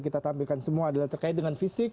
kita tampilkan semua adalah terkait dengan fisik